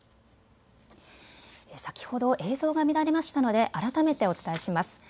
先ほど映像が乱れましたので改めてお伝えします。